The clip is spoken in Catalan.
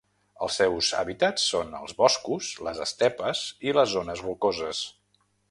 Els seus hàbitats són els boscos, les estepes i les zones rocoses.